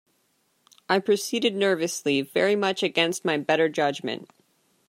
I proceeded nervously, very much against my better judgement.